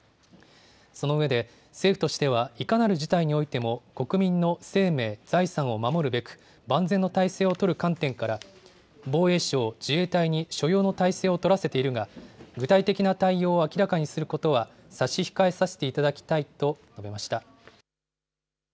その上で政府としてはいかなる事態においても国民の生命、財産を守るべく、万全の態勢を取る観点から、防衛省自衛隊に所要の態勢を取らせているが、具体的な対応を明らかにすることは差し控えさせていただきたいと述べました。